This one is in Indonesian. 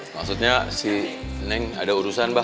maksudnya si neng ada urusan mbak